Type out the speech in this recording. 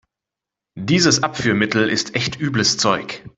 Dieses Abführmittel ist echt übles Zeug.